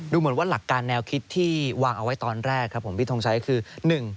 เหมือนว่าหลักการแนวคิดที่วางเอาไว้ตอนแรกครับผมพี่ทงชัยคือ